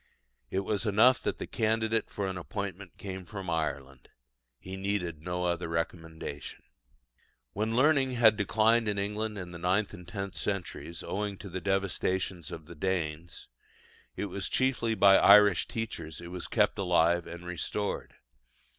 It was enough that the candidate for an appointment came from Ireland: he needed no other recommendation. When learning had declined in England in the ninth and tenth centuries, owing to the devastations of the Danes, it was chiefly by Irish teachers it was kept alive and restored.